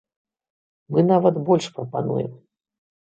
Мы нават больш прапануем.